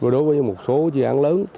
đối với một số chiến án lớn